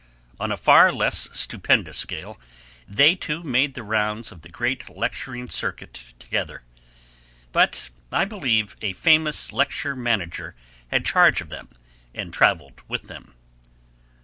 On a far less stupendous scale they two made the rounds of the great lecturing circuit together. But I believe a famous lecture manager had charge of them and travelled with them.